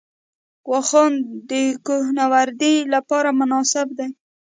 واخان د کوه نوردۍ لپاره مناسب دی